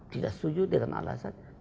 tidak setuju dengan alasan